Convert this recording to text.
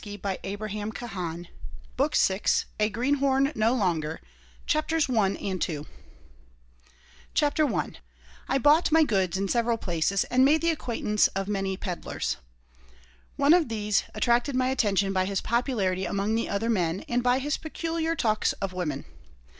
I could have murdered her BOOK VI A GREENHORN NO LONGER CHAPTER I I BOUGHT my goods in several places and made the acquaintance of many peddlers. One of these attracted my attention by his popularity among the other men and by his peculiar talks of women.